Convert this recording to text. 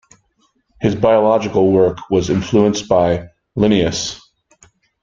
His biological work was influenced by Linnaeus.